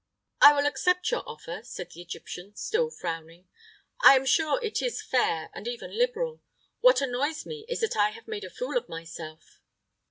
"I will accept your offer," said the Egyptian, still frowning. "I am sure it is fair, and even liberal. What annoys me is that I have made a fool of myself."